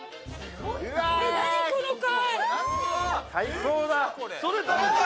何、この貝。